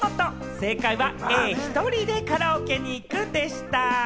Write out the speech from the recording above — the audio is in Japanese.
正解はＡ、ひとりでカラオケに行くでした。